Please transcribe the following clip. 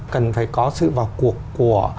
cần phải có sự vào cuộc của